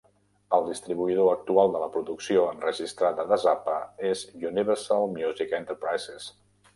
El distribuïdor actual de la producció enregistrada de Zappa és Universal Music Enterprises.